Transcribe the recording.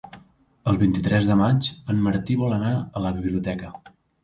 El vint-i-tres de maig en Martí vol anar a la biblioteca.